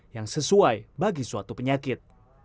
yang sesuai bagi suatu penyakit